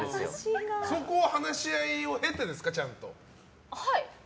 そこは話し合いを経てですか？